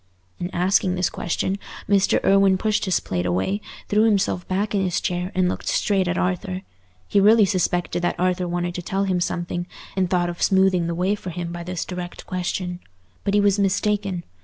In asking this question, Mr. Irwine pushed his plate away, threw himself back in his chair, and looked straight at Arthur. He really suspected that Arthur wanted to tell him something, and thought of smoothing the way for him by this direct question. But he was mistaken.